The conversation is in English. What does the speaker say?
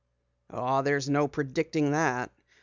"Oh, there's no predicting that.